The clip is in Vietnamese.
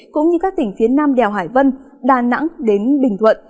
cũng như các tỉnh phía nam đèo hải vân đà nẵng đến bình thuận